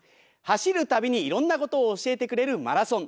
走るたびにいろんなことを教えてくれるマラソン。